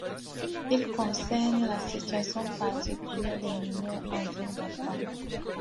Il concerne la situation particulière des mineurs en zone d’attente.